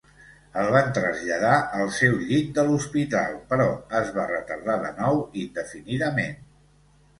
El van traslladar al seu llit de l'hospital, però es va retardar de nou, indefinidament.